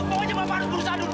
pokoknya pak harus berusaha dulu